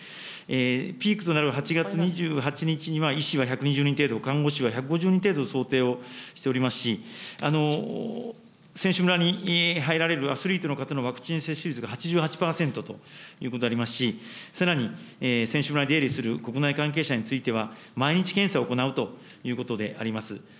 ピークとなる８月２８日には医師は１２０人程度、看護師は１５０人程度、想定をしておりますし、選手村に入られるアスリートの方のワクチン接種率が８８％ということでありますし、さらに、選手村に出入りする国内関係者については、毎日検査を行うということであります。